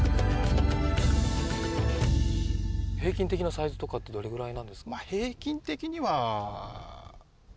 平均的なサイズとかってどれぐらいなんですか？